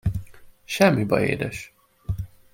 Semmi baj, édes!